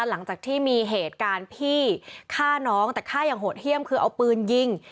หลังจากที่มีเหตุการณ์พี่ฆ่าน้องแต่ฆ่าอย่างโหดเยี่ยมคือเอาปืนยิง